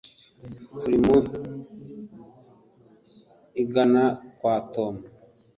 Turi mu у igana kwa Tom